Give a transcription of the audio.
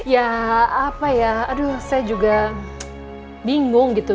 ya apa ya aduh saya juga bingung gitu